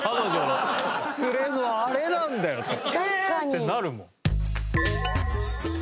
ってなるもん。